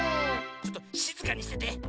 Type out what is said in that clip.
ちょっとしずかにしてて。